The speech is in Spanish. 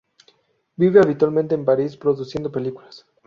Vive habitualmente en París produciendo películas.